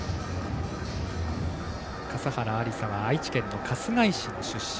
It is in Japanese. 笠原有彩は愛知県の春日井市の出身。